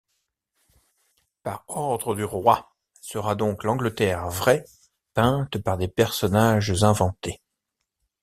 Par ordre du Roi sera donc l’Angleterre vraie, peinte par des personnages inventés.